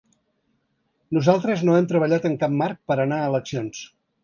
Nosaltres no hem treballat en cap marc per anar a eleccions.